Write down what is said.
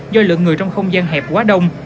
do lượng người trong không gian hẹp quá đông